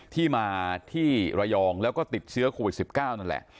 ที่มาที่ระยองแล้วก็ติดเชื้อโควิด๑๙นั่นแหละ